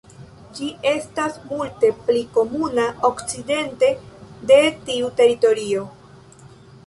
Ĝi estas multe pli komuna okcidente de tiu teritorio.